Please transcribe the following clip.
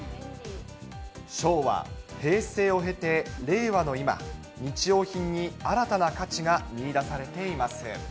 昭和、平成を経て令和の今、日用品に新たな価値が見い出されています。